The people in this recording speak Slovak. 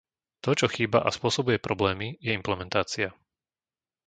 To, čo chýba a spôsobuje problémy je implementácia.